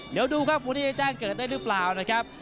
เดี๋ยวดูครับวันนี้จะแจ้งเกิดได้หรือเปล่านะครับ